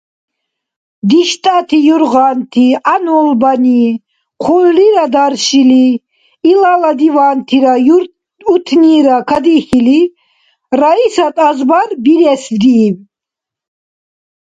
ДиштӀати «юргъанти-гӀянулбани» хъулрира даршили, ила «дивантира» «утнира» кадихьили, Раисат азбар биресрииб: